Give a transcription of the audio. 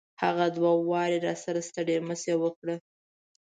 هغه دوه واري راسره ستړي مشي وکړه.